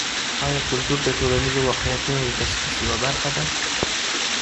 ایا کلتور د ټولنیزو واقعیتونو د تشخیص یوه برخه ده؟